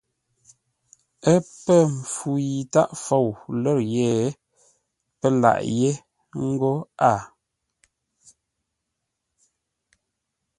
Ə́ pə̂ mpfu yi tâʼ fou lə̌r yé, pə́ lâʼ yé ńgó a.